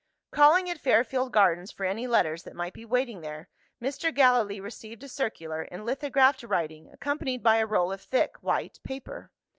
Calling at Fairfield Gardens for any letters that might be waiting there, Mr. Gallilee received a circular in lithographed writing; accompanied by a roll of thick white paper.